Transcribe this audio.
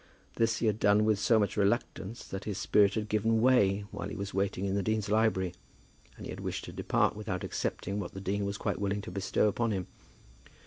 This he had done with so much reluctance that his spirit had given way while he was waiting in the dean's library, and he had wished to depart without accepting what the dean was quite willing to bestow upon him.